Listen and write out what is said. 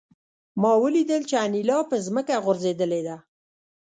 ما ولیدل چې انیلا په ځمکه غورځېدلې ده